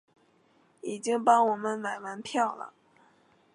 已经帮我们买完票了